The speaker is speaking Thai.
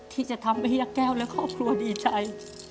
ที่จะทำให้ย่าแก้วและครอบครัวดีใจ